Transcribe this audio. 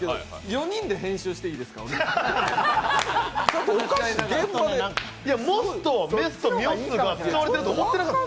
４人で編集していいですか、俺ら。